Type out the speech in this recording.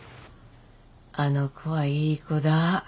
あの子はいい子だ。